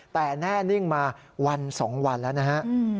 แต่แน่นิ่งมาวัน๒วันแล้วนะฮะ